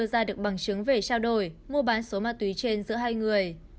không đưa ra được bằng chứng về trao đổi mua bán số ma túy trên giữa hai người